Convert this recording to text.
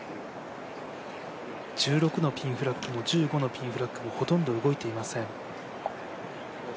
１６のピンフラッグも１５のピンフラッグもほとんど動いていません。